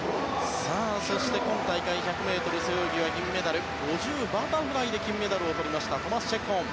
そして今大会１００ｍ背泳ぎで銀メダル５０ｍバタフライで銀メダルを取ったトマス・チェッコン。